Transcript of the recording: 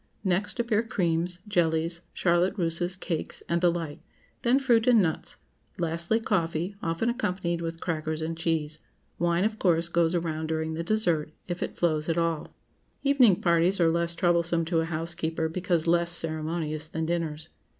Next appear creams, jellies, charlotte russes, cakes, and the like; then fruit and nuts; lastly, coffee, often accompanied with crackers and cheese. Wine, of course, goes around during the dessert—if it flows at all. Evening parties are less troublesome to a housekeeper, because less ceremonious than dinners.